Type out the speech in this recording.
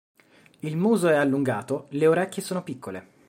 Il muso è allungato, le orecchie sono piccole.